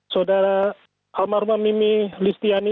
saudara almarhumah miming listian ini